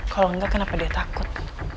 kalau enggak kenapa dia takut